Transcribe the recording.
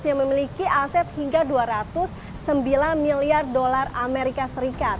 yang memiliki aset hingga dua ratus sembilan miliar dolar amerika serikat